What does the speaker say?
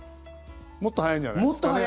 もっと早いんじゃないですかね。